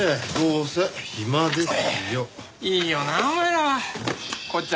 いいよなお前らは。